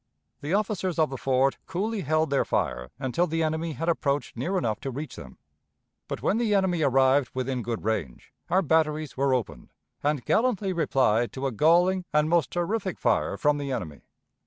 The officers of the fort coolly held their fire until the enemy had approached near enough to reach them. But, when the enemy arrived within good range, our batteries were opened, and gallantly replied to a galling and most terrific fire from the enemy.